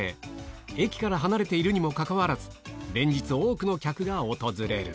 駅から離れているにもかかわらず、連日、多くの客が訪れる。